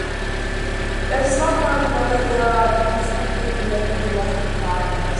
It is not known whether there are infinitely many lucky primes.